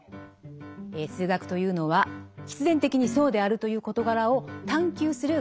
数学というのは「必然的にそうであるという事柄を探究する」